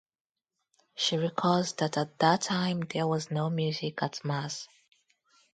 She recalls that at that time there was no music at Mass.